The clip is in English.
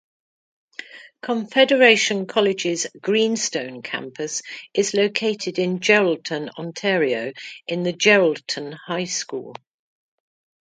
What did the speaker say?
Confederation College's Greenstone Campus is located in Geraldton, Ontario in the Geraldton High School.